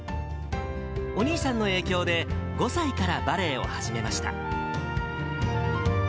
お兄さんの影響で、５歳からバレエを始めました。